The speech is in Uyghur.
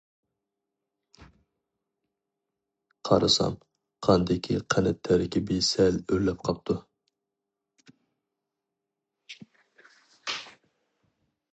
قارىسام قاندىكى قەنت تەركىبى سەل ئۆرلەپ قاپتۇ.